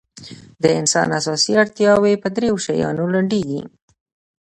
د انسان اساسي اړتیاوې په درېو شیانو رالنډېږي.